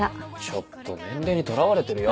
ちょっと年齢にとらわれてるよ。